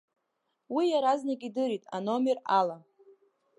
Уи иаразнак идырит аномер ала…